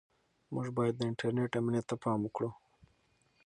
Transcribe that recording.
موږ باید د انټرنیټ امنیت ته پام وکړو.